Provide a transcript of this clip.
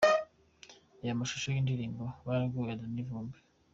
Reba amashusho y'indirimbo 'Baragowe' ya Dany Vumbi.